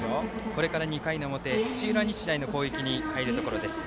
これから２回の表土浦日大の攻撃に入るところです。